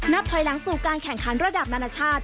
ถอยหลังสู่การแข่งขันระดับนานาชาติ